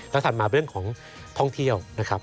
และถัดมาเป็นเรื่องของท่องเที่ยวนะครับ